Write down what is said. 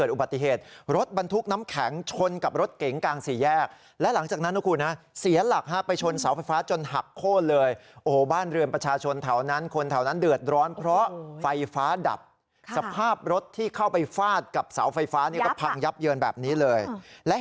อุบติเหตุกันก่อนที่สงขลา